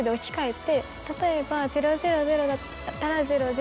例えば。